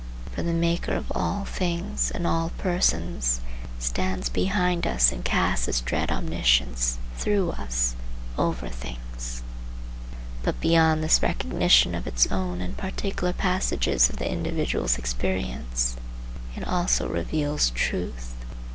For the Maker of all things and all persons stands behind us and casts his dread omniscience through us over things. But beyond this recognition of its own in particular passages of the individual's experience, it also reveals truth.